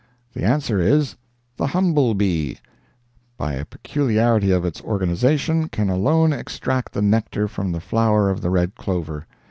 The answer is—the humble bee, by a peculiarity of its organization, can alone extract the nectar from the flower of the red clover.